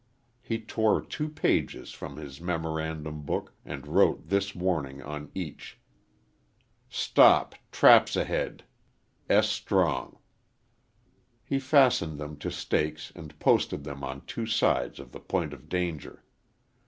He tore two pages from his memorandum book, and wrote this warning on each: STOP TRAPS AHED S. STRONG. He fastened them to stakes and posted them on two sides of the point of danger.